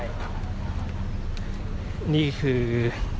ไม่ใช่นี่คือบ้านของคนที่เคยดื่มอยู่หรือเปล่า